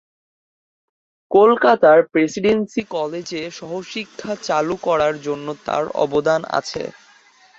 কলকাতার প্রেসিডেন্সী কলেজে সহশিক্ষা চালু করার জন্য তাঁর অবদান আছে।